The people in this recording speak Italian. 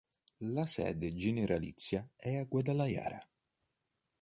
La sede generalizia è a Guadalajara.